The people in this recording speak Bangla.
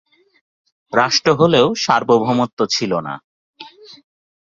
বাক্সের অবস্থার উপর নির্ভর করে এটি থেকে কত তাড়াতাড়ি তথ্য পাওয়া যাবে।